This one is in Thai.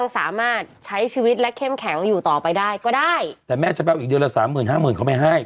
สวัสดีก่อนค่ะนี่เจ้าของล้านดอกไม้